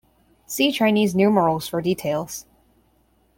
See Chinese numerals for details.